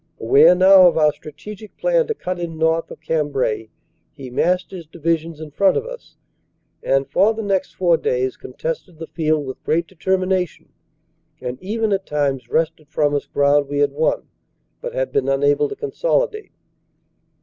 Aware now of our strategic plan to cut in north of Cambrai, he massed his divisions in front of us, and for the next four days contested the field with great determination and even at times wrested from us ground we had won but had been unable to consolidate.